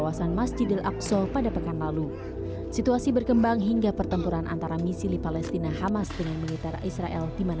akan menolong dengan sangat besar harga untuk penyerangan mereka